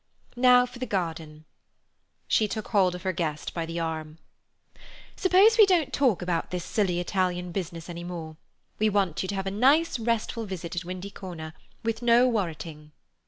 Now for the garden." She took hold of her guest by the arm. "Suppose we don't talk about this silly Italian business any more. We want you to have a nice restful visit at Windy Corner, with no worriting."